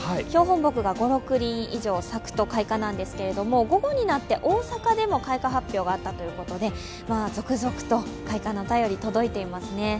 標本木が５６輪以上咲くと開花なんですが午後になって大阪でも開花発表があったということで続々と開花の便りが届いていますね。